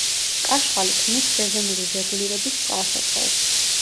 კაშხალი ქმნის სეზონური რეგულირების წყალსაცავს.